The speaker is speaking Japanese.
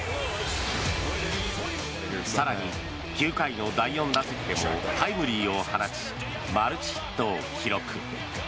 更に、９回の第４打席でもタイムリーを放ちマルチヒットを記録。